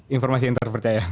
informasi yang terpercaya